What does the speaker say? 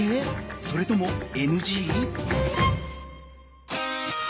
それともＮＧ？